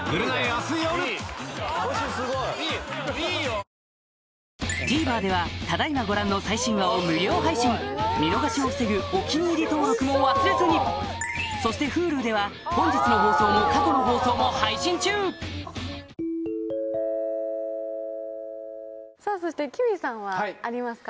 サントリーからＴＶｅｒではただ今ご覧の最新話を無料配信見逃しを防ぐ「お気に入り」登録も忘れずにそしてＨｕｌｕでは本日の放送も過去の放送も配信中さぁそしてＫＩＭＩさんはありますか？